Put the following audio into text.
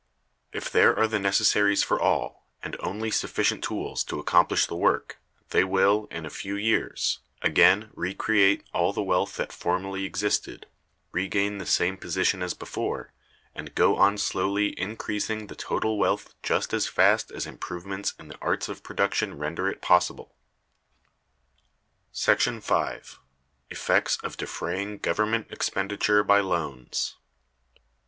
If there are the necessaries for all, and only sufficient tools to accomplish the work, they will, in a few years, again recreate all the wealth that formerly existed, regain the same position as before, and go on slowly increasing the total wealth just as fast as improvements in the arts of production render it possible. [Illustration. Inner rectangle W, surrounded by rectangle W'.] § 5. Effects of Defraying Government Expenditure by Loans.